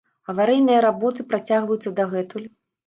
Аварыйныя работы працягваюцца дагэтуль.